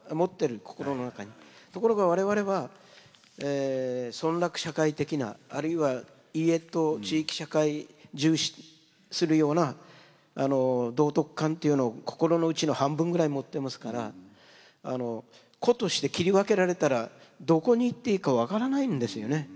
ところが我々は村落社会的なあるいは家と地域社会重視するような道徳観っていうのを心のうちの半分ぐらい持ってますから個として切り分けられたらどこに行っていいか分からないんですよね。